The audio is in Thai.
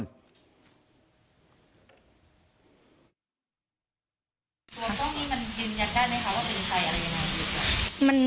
ส่วนตรงนี้มันยืนยันได้ไหมคะว่าเป็นใครอะไรยังไง